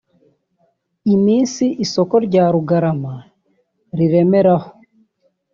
iminsi isoko rya Rugarama riremera ho